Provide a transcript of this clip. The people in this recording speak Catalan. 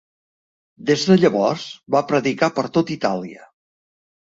Des de llavors, va predicar per tot Itàlia.